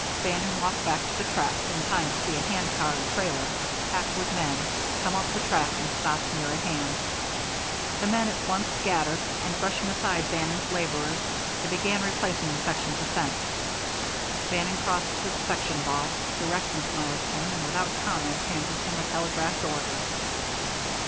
Bannon walked back to the tracks, in time to see a handcar and trailer, packed with men, come up the track and stop near at hand. The men at once scattered, and brushing aside Bannon's laborers, they began replacing the sections of fence. Bannon crossed to the section boss, who recognized him and without comment handed him a telegraphed order.